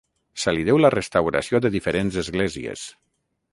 Se li deu la restauració de diferents esglésies.